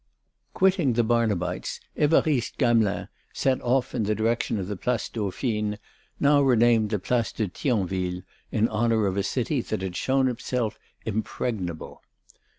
II Quitting the Barnabites, Évariste Gamelin set off in the direction of the Place Dauphine, now renamed the Place de Thionville in honour of a city that had shown itself impregnable.